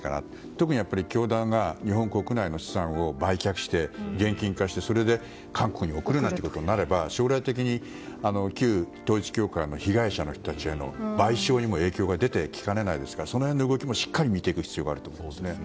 特に教団は日本国内の資産を売却して現金化して、それで韓国に送るなんてことになれば将来的に旧統一教会の被害者の人たちへの賠償にも影響が出てきかねないですからその辺の動きもしっかり見ていく必要がありますね。